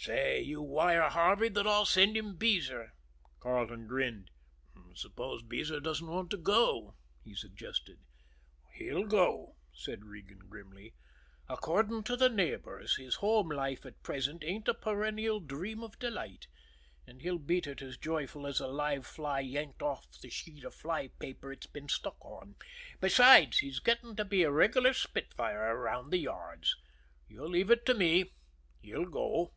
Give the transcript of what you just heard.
Say, you wire Harvey that I'll send him Beezer." Carleton grinned. "Suppose Beezer doesn't want to go?" he suggested. "He'll go," said Regan grimly. "According to the neighbors, his home life at present ain't a perennial dream of delight, and he'll beat it as joyful as a live fly yanked off the sheet of fly paper it's been stuck on; besides, he's getting to be a regular spitfire around the yards. You leave it to me he'll go."